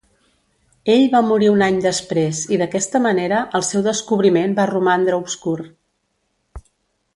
Ell va morir un any després i d'aquesta manera el seu descobriment va romandre obscur.